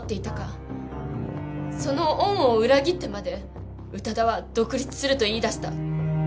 その恩を裏切ってまで宇多田は独立すると言い出した。